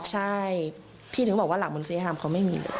ใช่พี่ถึงบอกว่าหลักมนุษยธรรมเขาไม่มี